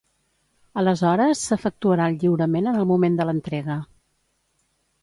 Aleshores s'efectuarà el lliurament en el moment de l'entrega.